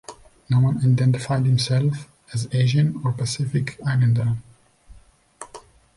No one identified himself as Asian or Pacific Islander.